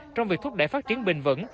trong việc thúc đẩy phát triển bền vững